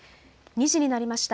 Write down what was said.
２時になりました。